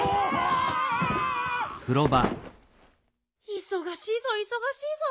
いそがしいぞいそがしいぞ。